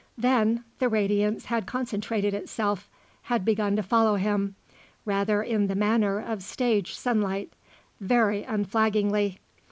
Then the radiance had concentrated itself, had begun to follow him rather in the manner of stage sunlight very unflaggingly.